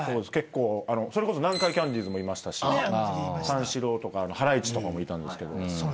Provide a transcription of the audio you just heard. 結構それこそ南海キャンディーズもいましたし三四郎とかハライチとかもいたんですけど。